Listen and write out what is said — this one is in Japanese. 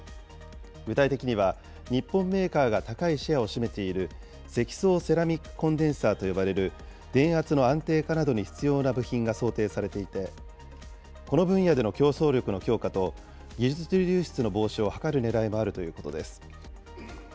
具体的には、日本メーカーが高いシェアを占めている、積層セラミックコンデンサーと呼ばれる電圧の安定化などに必要な部品が想定されていて、この分野での競争力の強化と、技術流出の防止を図るねらいもあるということです。